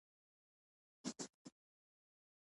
د سیکل سیل انیمیا هم جینیټیکي ده.